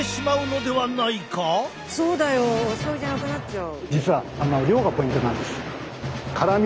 そうだよ。おしょうゆじゃなくなっちゃう。